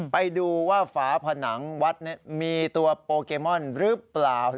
ไปดูว่าฝาผนังวัดมีตัวโปเกมอนหรือเปล่า